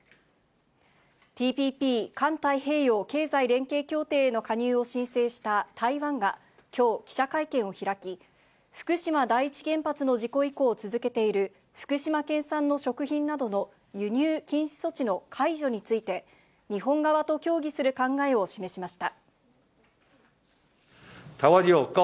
ＴＰＰ・環太平洋経済連携協定への加入を申請した台湾がきょう、記者会見を開き、福島第一原発の事故以降続けている福島県産の食品などの輸入禁止措置の解除について、日本側と協議する考えを示しました。